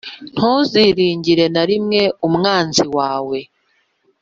Ntuziringire na rimwe umwanzi wawe,